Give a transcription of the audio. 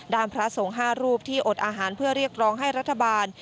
พระสงฆ์๕รูปที่อดอาหารเพื่อเรียกร้องให้รัฐบาล